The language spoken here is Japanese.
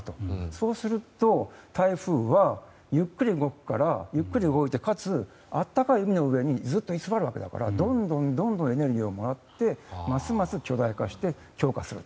そうすると台風はゆっくり動いてかつ暖かい海の上に居座るわけだからどんどんエネルギーをもらってますます巨大化して強化される。